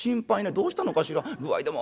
『どうしたのかしら』。